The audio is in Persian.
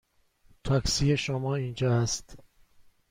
تاکسی شما اینجا است.